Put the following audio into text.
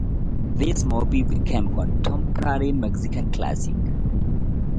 This movie became a contemporary Mexican classic.